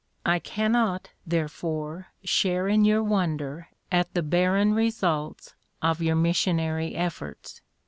I cannot, therefore, share in your wonder at the barren results of your missionary efforts.